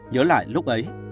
nhớ lại lúc ấy